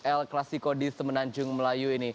el clasico di semenanjung melayu